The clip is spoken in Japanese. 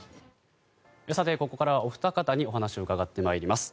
ここからはお二方にお話を伺ってまいります。